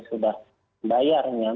maka dia sudah berhubungan dengan orang lain